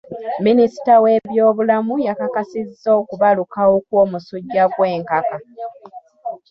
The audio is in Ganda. Minisita w'ebyobulamu yakakasizza okubalukawo kw'omusujja gw'enkaka.